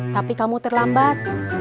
tapi kamu terlambat